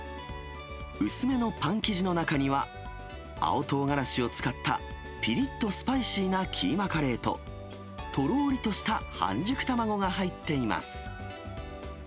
薄めのパン生地の中には、青とうがらしを使った、ぴりっとスパイシーなキーマカレーと、とろーりとした半熟卵が入っています。